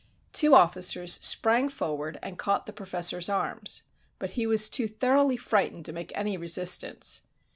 Two officers sprang forward and caught the professor's arms, but he was too thoroughly frightened to make any resistance.